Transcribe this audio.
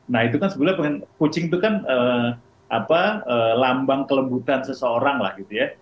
nah itu kan sebenarnya kucing itu kan apa lambang kelembutan seseorang lah gitu ya